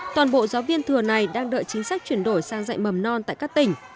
toàn bộ giáo viên thừa này đang đợi chính sách chuyển đổi sang dạy mầm non tại các tỉnh